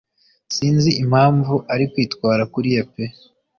sinzi impamvu ari kwitwara kuriya pe